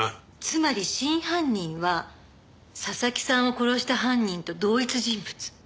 つまり真犯人は佐々木さんを殺した犯人と同一人物。